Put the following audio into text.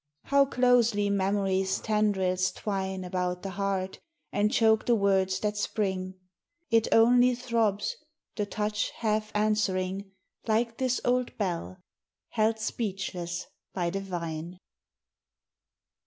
How closely memory's tendrils twine About the heart, and choke the words that spring. It only throbs, the touch half answering, Like this old bell, held speechless by the vine.